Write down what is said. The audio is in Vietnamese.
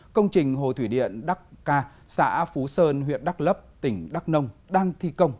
công trình hồ thủy điện đắc ca xã phú sơn huyện đắk lấp tỉnh đắk nông đang thi công